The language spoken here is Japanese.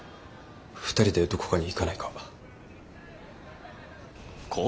２人でどこかに行かないか？